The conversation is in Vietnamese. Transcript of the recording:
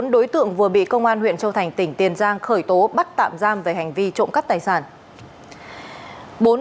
bốn đối tượng vừa bị công an huyện châu thành tỉnh tiền giang khởi tố bắt tạm giam về hành vi trộm cắp tài sản